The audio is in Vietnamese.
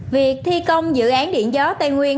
việc thi công dự án điện gió tây nguyên